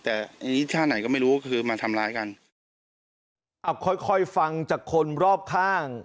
แต่ไอ้ท่าไหนก็ไม่รู้ก็คือมาทำร้ายกันอ้าวค่อยค่อยฟังจากคนรอบข้าง